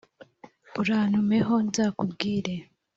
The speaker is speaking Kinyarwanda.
urantume ho nzakubwire,